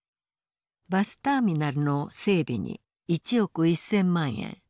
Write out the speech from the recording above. バスターミナルの整備に１億１，０００万円。